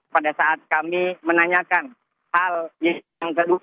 pada saat kami menanyakan hal yang kedua